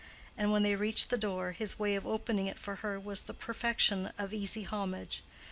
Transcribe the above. And when they reached the door, his way of opening it for her was the perfection of easy homage.